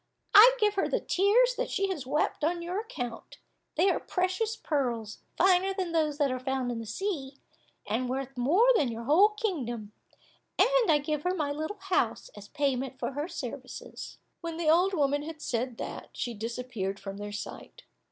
"I give her the tears that she has wept on your account; they are precious pearls, finer than those that are found in the sea, and worth more than your whole kingdom, and I give her my little house as payment for her services." When the old woman had said that, she disappeared from their sight.